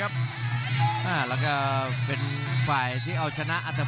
และอัพพิวัตรสอสมนึก